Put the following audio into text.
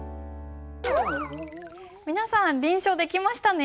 皆さん臨書できましたね？